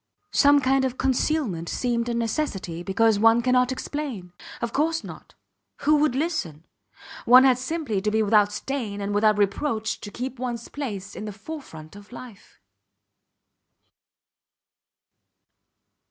Some kind of concealment seemed a necessity because one cannot explain. Of course not! Who would listen? One had simply to be without stain and without reproach to keep ones place in the forefront of life.